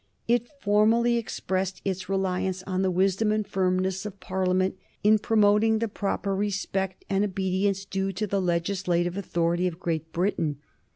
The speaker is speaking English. It formally expressed its reliance on the wisdom and firmness of Parliament in promoting the proper respect and obedience due to the legislative authority of Great Britain.